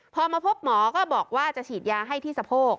พอมาพบหมอก็บอกว่าจะฉีดยาให้ที่สะโพก